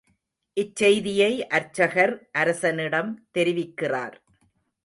இச்செய்தியை அர்ச்சகர் அரசனிடம் தெரிவிக்கிறார்.